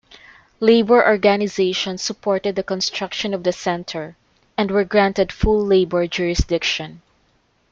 Labor organizations supported the construction of the Center, and were granted full labor jurisdiction.